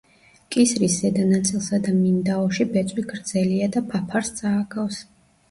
კისრის ზედა ნაწილსა და მინდაოში ბეწვი გრძელია და ფაფარს წააგავს.